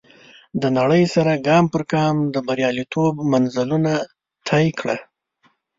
د نړۍ سره ګام پر ګام د برياليتوب منزلونه طی کړه.